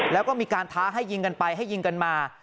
แล้วก็มีการท้าให้ยิงกันไปให้ยิงกันมา